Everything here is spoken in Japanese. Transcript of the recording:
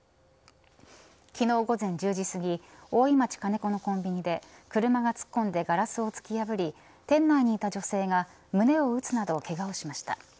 昨日、午前１０時すぎ大井町金子のコンビニで車が突っ込んでガラスを突き破り店内にいた女性が胸を打つなど、けがをしました。